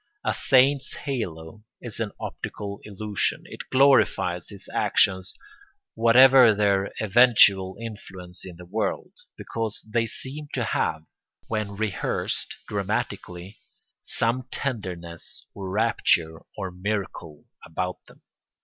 A saint's halo is an optical illusion; it glorifies his actions whatever their eventual influence in the world, because they seem to have, when rehearsed dramatically, some tenderness or rapture or miracle about them.